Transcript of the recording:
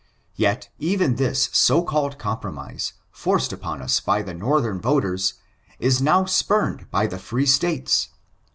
"'Yet even this so called compromise, forced upon us by Northern voters, is now spumed by the free States.